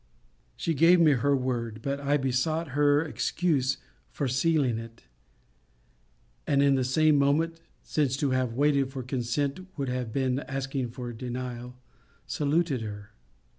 She gave me her word: but I besought her excuse for sealing it: and in the same moment (since to have waited for consent would have been asking for a denial) saluted her.